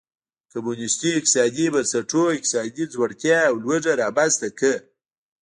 کمونېستي اقتصادي بنسټونو اقتصادي ځوړتیا او لوږه رامنځته کړه.